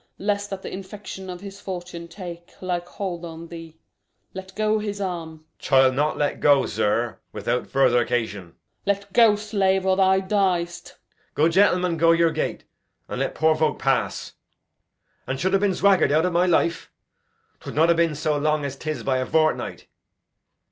Lest that th' infection of his fortune take Like hold on thee. Let go his arm. Edg. Chill not let go, zir, without vurther 'cagion. Osw. Let go, slave, or thou diest! Edg. Good gentleman, go your gait, and let poor voke pass. An chud ha' bin zwagger'd out of my life, 'twould not ha' bin zo long as 'tis by a vortnight.